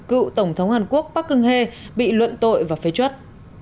cựu tổng thống hàn quốc park geun hye bị luận tội và phế chuất